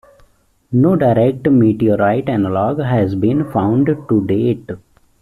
No direct meteorite analog has been found to date.